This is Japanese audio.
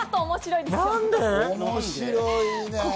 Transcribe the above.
面白いね。